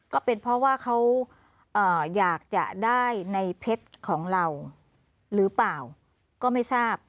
ก็เป็นเพราะว่าเขาอยากจะได้ในเพชรของเราหรือเปล่าก็ไม่ทราบ